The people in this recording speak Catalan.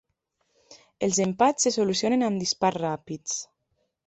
Els empats se solucionen amb dispars ràpids.